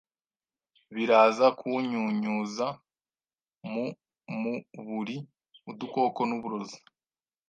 Biraza kunyunyuza mu muburi udukoko n’uburozi